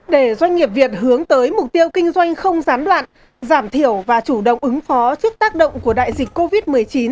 để doanh nghiệp việt hướng tới mục tiêu kinh doanh không gián đoạn giảm thiểu và chủ động ứng phó trước tác động của đại dịch covid một mươi chín